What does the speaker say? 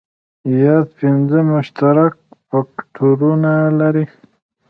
یاد پنځه مشترک فکټورونه لري.